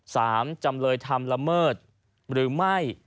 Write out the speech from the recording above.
จำเลยทำละเมิดหรือไม่